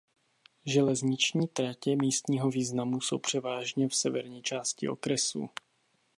Železniční tratě místního významu jsou převážně v severní části okresu.